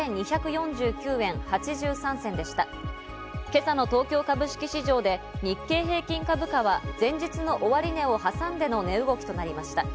今朝の東京株式市場で日経平均株価は前日の終値を挟んでの値動きとなりました。